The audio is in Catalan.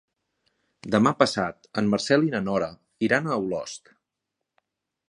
Demà passat en Marcel i na Nora iran a Olost.